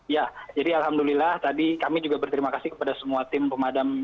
ya jadi alhamdulillah tadi kami juga berterima kasih kepada semua tim pemadam